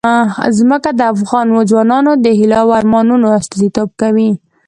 ځمکه د افغان ځوانانو د هیلو او ارمانونو استازیتوب کوي.